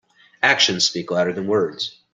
Actions speak louder than words.